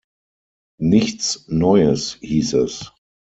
Nichts Neues, hieß es.